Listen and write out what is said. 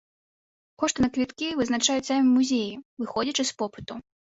Кошты на квіткі вызначаюць самі музеі, зыходзячы з попыту.